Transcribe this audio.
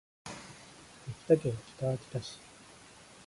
秋田県北秋田市